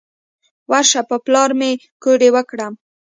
ورشه په پلار مې کوډې وکړه.